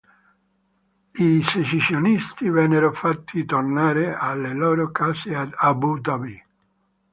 I secessionisti vennero fatti tornare alle loro case ad Abu Dhabi.